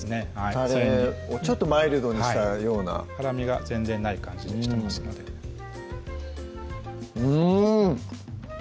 タレをちょっとマイルドにしたような辛みが全然ない感じでしてますのでうん